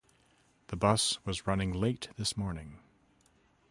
The bus was running late this morning.